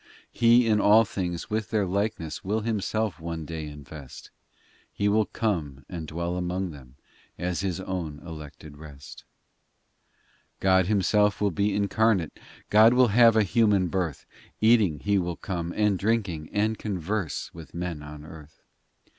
He in all things with their likeness Will Himself one day invest ; He will come and dwell among them, As His own elected rest. XI God Himself will be incarnate, God will have a human birth ; Eating, He will come, and drinking, And converse with men on earth.